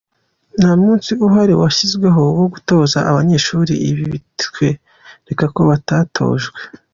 Nta munsi uhari washyizweho wo gutoza abanyeshuri, ibi bitwereka ko batatojwe.